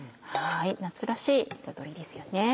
夏らしい彩りですよね。